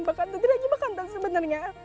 bekantan tidak hanya bekantan sebenarnya